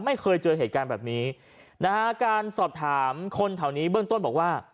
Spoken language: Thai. ไม่เคยเจอเหตุการณ์แบบนี้นะฮะการสอบถามคนแถวนี้เบื้องต้นบอกว่า